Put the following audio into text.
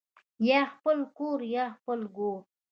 یا خپل کور یا خپل ګور